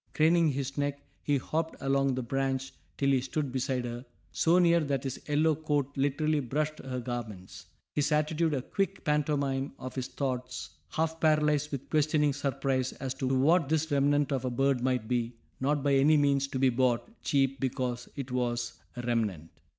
Craning his neck he hopped along the branch till he stood beside her, so near that his yellow coat literally brushed her garments, his attitude a quick pantomime of his thoughts, half paralyzed with questioning surprise as to what this remnant of a bird might be, not by any means to be bought cheap because it was a remnant.